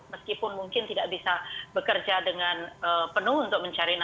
meskipun mungkin tidak bisa bekerja dengan penuh untuk mencari nafsu